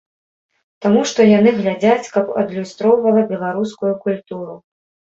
Таму што яны глядзяць, каб адлюстроўвала беларускую культуру.